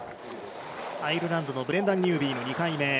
アイルランドのブレンダン・ニュービーの２回目。